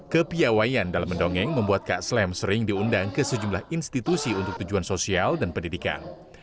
kepiawaian dalam mendongeng membuat kak slem sering diundang ke sejumlah institusi untuk tujuan sosial dan pendidikan